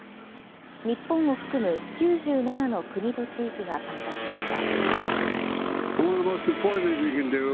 日本を含む９７の国と地域が参加しました。